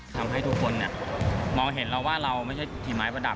ทำให้ทุกคนมองเห็นเราว่าเราไม่ใช่ผีไม้ประดับ